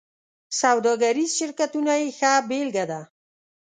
سوداګریز شرکتونه یې ښه بېلګه ده.